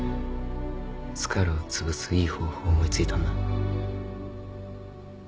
スカルをつぶすいい方法を思いついたんだ